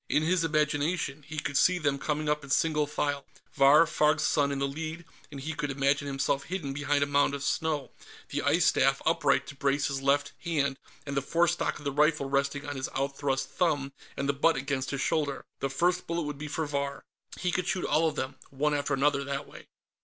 In his imagination, he could see them coming up in single file, Vahr Farg's son in the lead, and he could imagine himself hidden behind a mound of snow, the ice staff upright to brace his left hand and the forestock of the rifle resting on his outthrust thumb and the butt against his shoulder. The first bullet would be for Vahr. He could shoot all of them, one after another, that way....